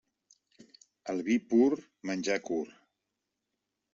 El vi pur, menjar curt.